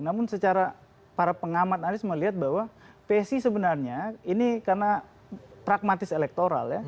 namun secara para pengamat tadi semua lihat bahwa psi sebenarnya ini karena pragmatis elektronik